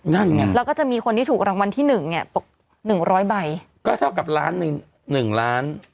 นั่นไงแล้วก็จะมีคนที่ถูกรางวัลที่หนึ่งเนี่ยตกหนึ่งร้อยใบก็เท่ากับล้านหนึ่งหนึ่งล้าน